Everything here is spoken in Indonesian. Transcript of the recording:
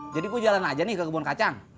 jadi gua jalan aja nih ke kebun kacang